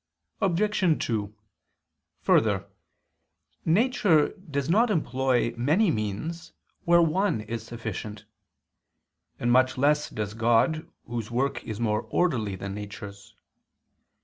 Obj. 2: Further, nature does not employ many means where one is sufficient; and much less does God Whose work is more orderly than nature's.